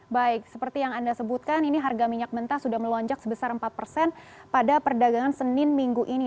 baik seperti yang anda sebutkan ini harga minyak mentah sudah melonjak sebesar empat persen pada perdagangan senin minggu ini